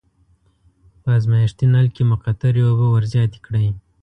په ازمایښتي نل کې مقطرې اوبه ور زیاتې کړئ.